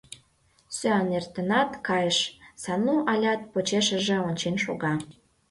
Сӱан эртенат кайыш, Сану алят почешыже ончен шога.